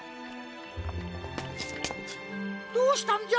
どうしたんじゃ？